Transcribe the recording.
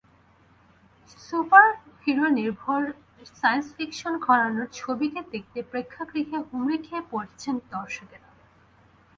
সুপারহিরোনির্ভর science fiction ঘরানার ছবিটি দেখতে প্রেক্ষাগৃহে হুমড়ি খেয়ে পড়ছেন দর্শকেরা।